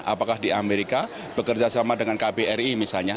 apakah di amerika bekerja sama dengan kpri misalnya